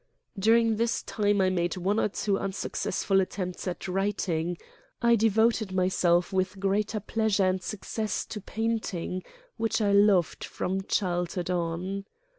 During this time I made one or two unsuccessful attempts at writing; I devoted myself with greater pleasure and success to paint ing, which I loved from childhood on.